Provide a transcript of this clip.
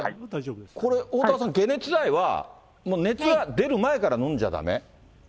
これはおおたわさん、解熱剤は熱は出る前からのんじゃだめ？